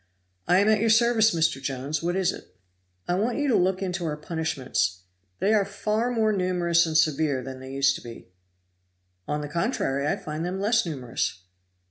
"I am at your service, Mr. Jones. What is it?" "I want you to look into our punishments; they are far more numerous and severe than they used to be." "On the contrary I find them less numerous."